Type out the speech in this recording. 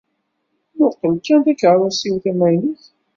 Mmuqqel kan takeṛṛust-iw tamaynut.